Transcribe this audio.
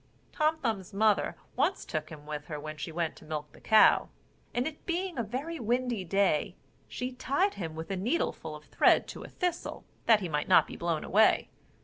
Tom Thumb's mother once took him with her when she went to milk the cow; and it being a very windy day, she tied him with a needleful of thread to a thistle, that he might not be blown away.